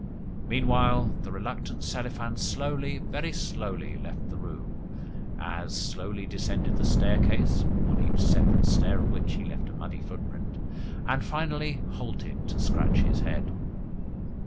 Meanwhile the reluctant Selifan slowly, very slowly, left the room, as slowly descended the staircase (on each separate step of which he left a muddy foot print), and, finally, halted to scratch his head.